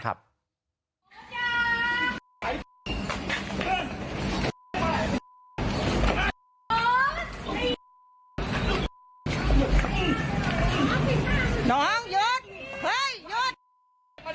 น้องหยุด